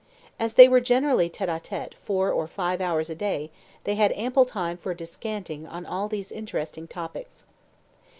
As they were generally TETE A TETE four or five hours a day, they had ample time for descanting on all these interesting topics.